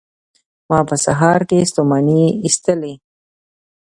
ما په سهار کې ستوماني ایستله